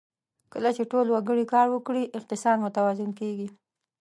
کله چې ټول وګړي کار وکړي، اقتصاد متوازن کېږي.